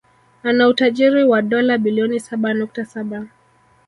Ana utajiri wa dola bilioni saba nukta saba